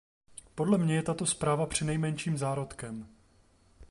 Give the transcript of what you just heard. Podle mě je tato zpráva přinejmenším zárodkem.